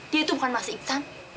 dia itu bukan mas iktan